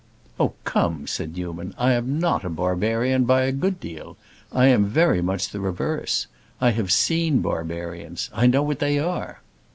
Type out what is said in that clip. "Oh, come," said Newman. "I am not a barbarian, by a good deal. I am very much the reverse. I have seen barbarians; I know what they are."